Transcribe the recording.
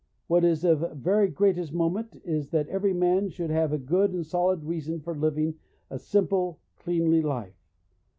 What is of the very greatest moment is, that every man should have a good and solid reason for living a simple, cleanly life.